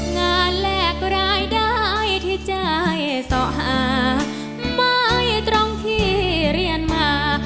แลกรายได้ที่ใจส่อหาไม่ตรงที่เรียนมา